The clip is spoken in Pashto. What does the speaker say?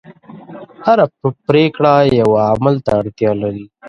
هره پرېکړه یوه عمل ته اړتیا لري.